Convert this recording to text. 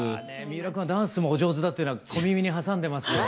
三浦君はダンスもお上手だっていうのは小耳に挟んでますよ。